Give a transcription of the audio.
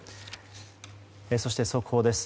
そして、速報です。